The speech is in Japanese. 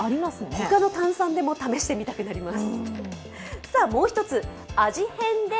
他の炭酸でも試してみたくなります。